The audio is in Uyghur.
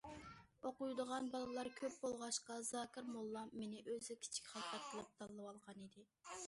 ئوقۇيدىغان بالىلار كۆپ بولغاچقا، زاكىر موللام مېنى ئۆزىگە كىچىك خەلپەت قىلىپ تاللىۋالغانىدى.